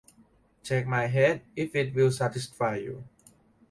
Take my head if it will satisfy you.